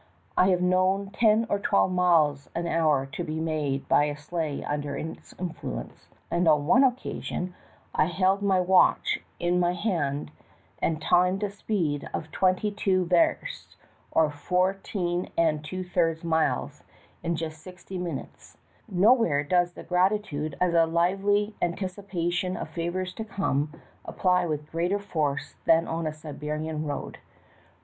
I have known ten or twelve miles an hour to be made by a sleigh under its influence, and on one occasion I 15 226 THE TALKING HANDKERCHIEF. held my watch in my timed a speed of two versts, or four two thirds miles, in just sixty minutes. Nowhere does the definition of grati tude, as a , lively an ticipation of favors to come, apply with greater force than on a Siberian road.